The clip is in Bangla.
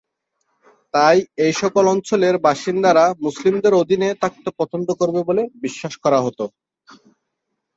তাই এসকল অঞ্চলের বাসিন্দারা মুসলিমদের অধীনে থাকতে পছন্দ করবে বলে বিশ্বাস করা হত।